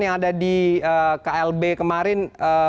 yang ada di klb kemarin